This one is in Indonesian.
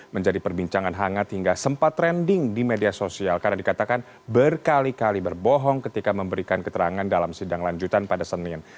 menjadi perbincangan hangat hingga sempat trending di media sosial karena dikatakan berkali kali berbohong ketika memberikan keterangan dalam sidang lanjutan pada senin